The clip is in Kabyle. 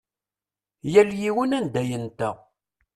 Yal yiwen anda yenta.